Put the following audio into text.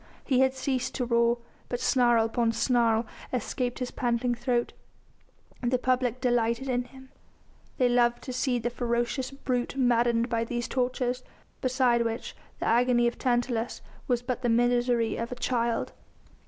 He had ceased to roar, but snarl upon snarl escaped his panting throat. The public delighted in him. They loved to see the ferocious brute maddened by these tortures, beside which the agony of Tantalus was but the misery of a child.